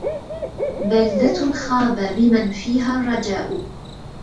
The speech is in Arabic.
بلدة خاب بمن فيها الرجاء